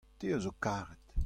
te a zo karet.